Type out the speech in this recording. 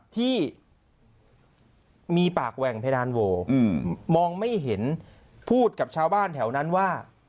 ที่มีปากแหว่งเพดานโวมองไม่เห็นพูดกับชาวบ้านแถวนั้นว่า